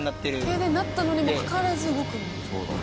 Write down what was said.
停電になったのにもかかわらず動くんだ。